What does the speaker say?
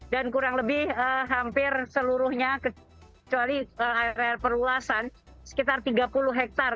dan kurang lebih hampir seluruhnya kecuali area perluasan sekitar tiga puluh hektare